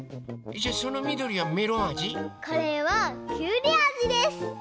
じゃあそのみどりはメロンあじ？これはきゅうりあじです！